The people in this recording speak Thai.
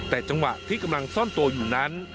แต่จังหวะที่กำลังซ่อนตัวอยู่นั้น